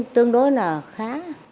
tương đối là khá